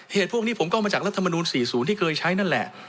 พวกนี้ผมก็เอามาจากรัฐมนูล๔๐ที่เคยใช้นั่นแหละ